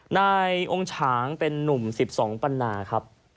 นายองค์ฉางเป็นนุ่ม๑๒ปันนาครับ